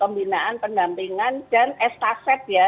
pembinaan pendampingan dan estafet ya